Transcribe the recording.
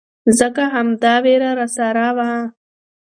ځکه همدا ويره راسره وه.